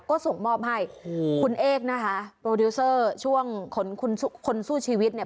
ก็ส่งมอบให้คุณเอกนะคะโปรดิวเซอร์ช่วงขนคนสู้ชีวิตเนี่ย